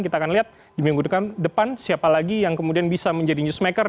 kita akan lihat di minggu depan siapa lagi yang kemudian bisa menjadi newsmaker